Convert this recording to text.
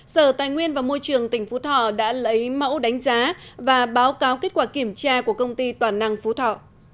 sở tài nguyên và môi trường tỉnh phú thọ đã lấy mẫu đánh giá và báo cáo kết quả kiểm tra của công ty toàn năng phú thọ